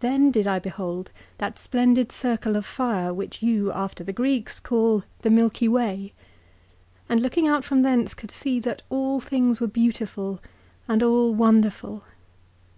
"Then did I behold that splendid circle of fire which you after the Greeks call the Milky Way, and looking out from thence could see that all things were beautiful and all wonderful.